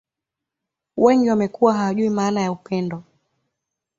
Wengi wamekuwa hawajui maana ya upendo